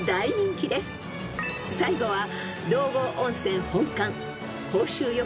［最後は］